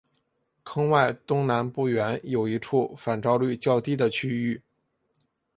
坑外东南不远有一处反照率较低的区域。